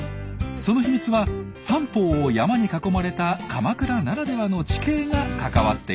その秘密は三方を山に囲まれた鎌倉ならではの地形が関わっているんですよ。